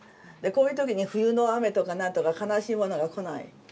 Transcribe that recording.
こういう時に「冬の雨」とか何とか悲しいものが来ない。